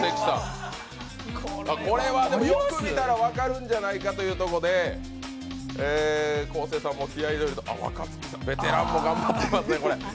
これはでもよく見たら分かるんじゃないかというところで、昴生ちゃんも気合いが若槻さん、ベテランも頑張っていますね。